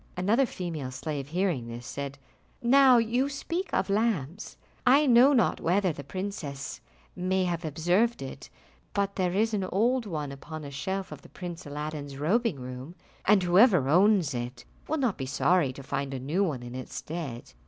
Another female slave hearing this, said, "Now you speak of lamps, I know not whether the princess may have observed it, but there is an old one upon a shelf of the Prince Aladdin's robing room, and whoever owns it will not be sorry to find a new one in its stead.